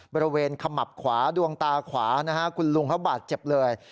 บริเวณขมับขวาดวงตาขวาคุณลุงเขาบาดเจ็บเลย